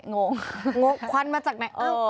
งงควันมาจากไหนเอ้า